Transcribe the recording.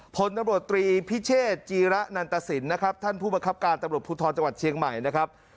ผลตำรวจตรีพิเชษจีระนันตสินนะครับท่านผู้ประคับการตำรวจภูทรจังหวัดเชียงใหม่นะครับ